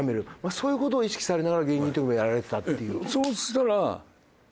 そういう事を意識されながら現役の時もやられてたっていう。